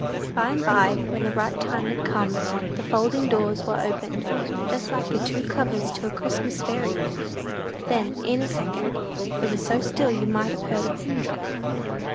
But by and by, when the right time had come, the folding doors were opened, just like the two covers to a Christmas fairy book. Then, in a second, it was so still you might have heard a pin drop.